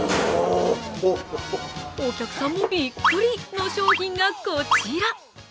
お客さんもびっくり！の商品がこちら。